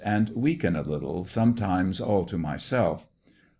and weaken a little sometimes all to myself.